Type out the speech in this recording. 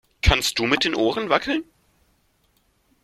Kannst du mit den Ohren wackeln?